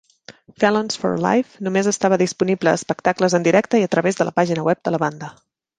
"Felons for Life" només estava disponible a espectacles en directe i a través de la pàgina web de la banda.